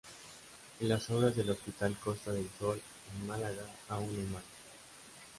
Y las obras del Hospital Costa del Sol en Málaga aún en marcha.